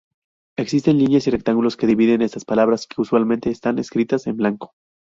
Existen líneas y rectángulos que dividen estas palabras que usualmente están escritas en blanco.